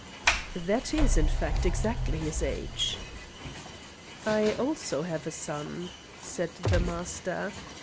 "That is, in fact, exactly his age." "I also have a son," said the Master.